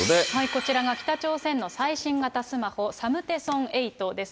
こちらが北朝鮮の最新型スマホ、サムテソン８です。